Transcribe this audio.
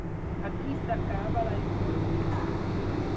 Aquí s’acaba la història.